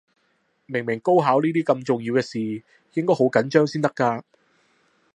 明明高考呢啲咁重要嘅事，應該好緊張先得㗎